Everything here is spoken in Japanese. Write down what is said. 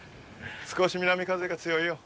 少し南風が強いよ。